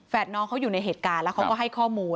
น้องเขาอยู่ในเหตุการณ์แล้วเขาก็ให้ข้อมูล